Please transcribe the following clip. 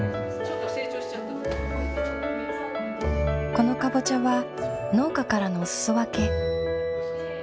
このカボチャは農家からのお裾分け。